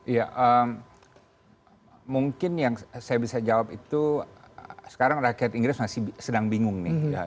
ya mungkin yang saya bisa jawab itu sekarang rakyat inggris masih sedang bingung nih